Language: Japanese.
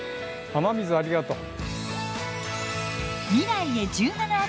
雨水ありがとう。